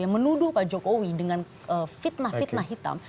yang menuduh pak jokowi dengan fitnah fitnah hitam